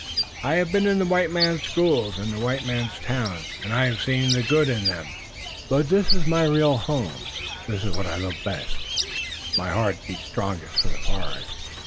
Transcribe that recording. "I have been in the white man's schools, and the white man's towns, and I have seen the good in them, but this is my real home. This is what I love best. My heart beats strongest for the forest."